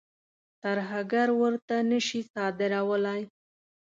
ترهګر ورته نه شي صادرولای.